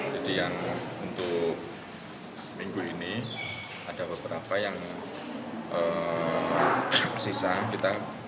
jadi yang untuk minggu ini ada beberapa yang sisa